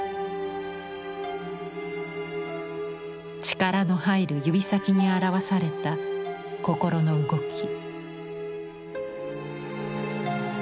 力の入る指先に表された心の動き。